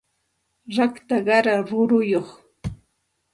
rakta qara ruruyuq